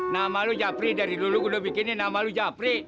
nama lo jafri dari dulu gue udah bikinnya nama lo jafri